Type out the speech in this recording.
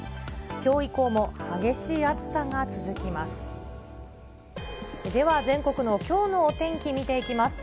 きょう以降も激しい暑さが続きます。